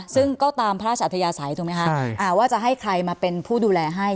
ซึ่งก็ตามพระราชอัธยาศัยถูกไหมคะว่าจะให้ใครมาเป็นผู้ดูแลให้